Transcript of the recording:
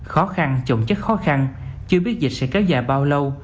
khó khăn trồng chất khó khăn chưa biết dịch sẽ kéo dài bao lâu